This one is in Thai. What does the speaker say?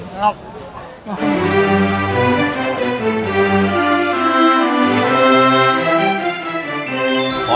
ขอบคุณครับ